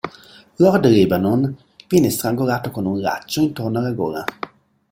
Lord Lebanon viene strangolato con un laccio intorno alla gola.